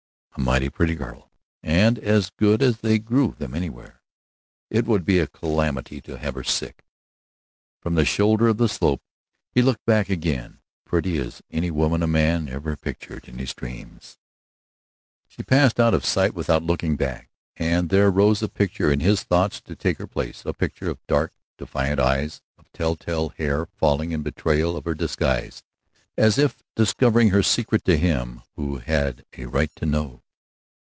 A mighty pretty girl, and as good as they grew them anywhere. It would be a calamity to have her sick. From the shoulder of the slope he looked back again. Pretty as any woman a man ever pictured in his dreams. She passed out of sight without looking back, and there rose a picture in his thoughts to take her place, a picture of dark, defiant eyes, of telltale hair falling in betrayal of her disguise, as if discovering her secret to him who had a right to know.